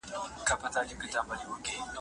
هغه بایللی باغ په خوب وینمه؟